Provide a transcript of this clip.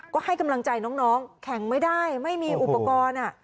ก็ให้กำลังใจน้องแข็งไม่ได้ไม่มีอุปกรณ์